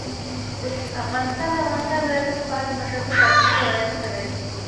افغانستان د د افغانستان ولايتونه په اړه مشهور تاریخی روایتونه لري.